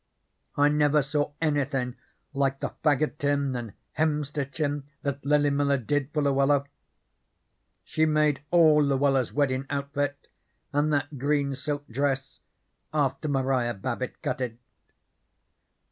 I never saw anythin' like the fagottin' and hemstitchin' that Lily Miller did for Luella. She made all Luella's weddin' outfit, and that green silk dress, after Maria Babbit cut it.